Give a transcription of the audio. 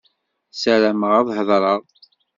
Sarameɣ ad ḥeḍreɣ.